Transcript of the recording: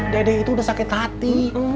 dedek itu udah sakit hati